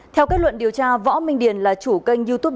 theo kết luận điều tra võ minh điển là chủ kênh youtuber điển đồ công